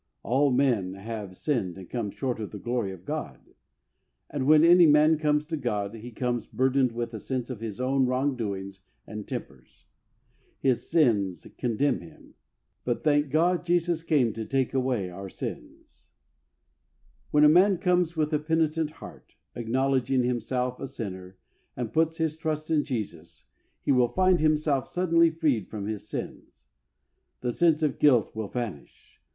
"All men have sinned and come short of the glory of God,^^ and when any man comes to God, he comes burdened with a sense of his own wrong doings and tempers. His sins condemn him ; but, thank God, Jesus came to take away our sins. 2 HEART TALKS ON HOLINESS. When a man comes with a penitent heart, acknowledging himself a sinner, and puts his trust in Jesus, he will find himself suddenly freed from his sins. The sense of guilt will vanish.